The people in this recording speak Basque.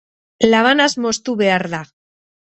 Labanaz moztu behar da.